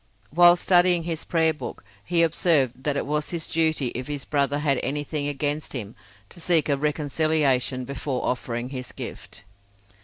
While studying his prayer book he observed that it was his duty if his brother had anything against him to seek a reconciliation before offering his gift.